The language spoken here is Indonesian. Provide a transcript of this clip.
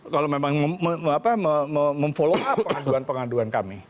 kalau memang memfollow up pengaduan pengaduan kami